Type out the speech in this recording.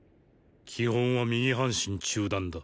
基本は右半身中段だ。